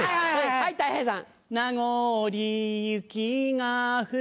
はいたい平さん。